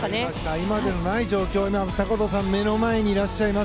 今までにない状況で高藤さん下にいらっしゃいます。